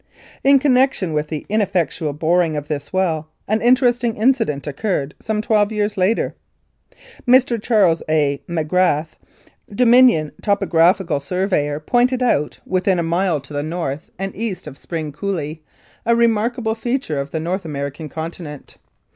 In connection with the ineffectual boring of this well an interesting incident occurred some twelve years later. Mr. Charles A. Magrath, Dominion Topographical Surveyor, pointed out, within a mile to the north and 54 1888 89. Lethbridge east of Spring Coulee, a remarkable feature of the North American continent.